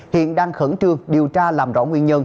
hiện đang khẩn trương điều tra làm rõ nguyên nhân